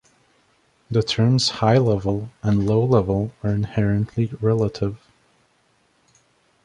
The terms "high-level" and "low-level" are inherently relative.